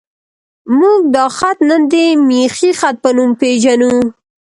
موږ دا خط نن د میخي خط په نوم پېژنو.